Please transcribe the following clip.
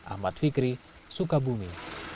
ahmad fikri sukabumi